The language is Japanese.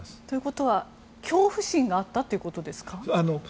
ということは、恐怖心があったということですか？